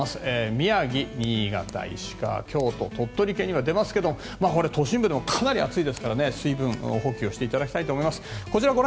宮城、新潟、石川京都、鳥取には出ますが都心部はかなり暑いですから水分補給していただきたいと思います。